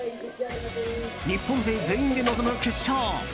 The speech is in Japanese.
日本勢全員で臨む決勝。